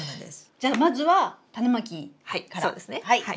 じゃあまずはタネまきからやりますか。